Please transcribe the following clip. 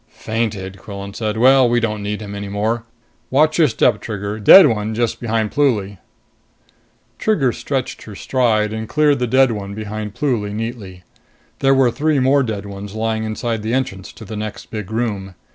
"Fainted!" Quillan said. "Well, we don't need him any more. Watch your step, Trigger dead one just behind Pluly." Trigger stretched her stride and cleared the dead one behind Pluly neatly. There were three more dead ones lying inside the entrance to the next big room.